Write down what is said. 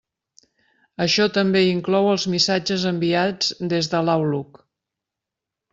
Això també inclou els missatges enviats des de l'Outlook.